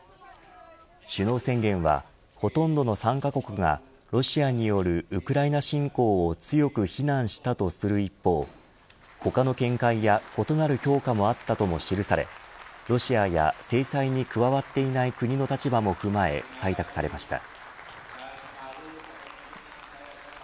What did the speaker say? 首脳宣言は、ほとんどの参加国がロシアによるウクライナ侵攻を強く非難したとする一方他の見解や異なる評価もあったとも記されロシアや制裁に加わっていない国の立場も踏まえ採択されました。